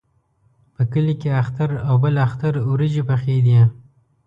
په کلي کې اختر او بل اختر وریجې پخېدې.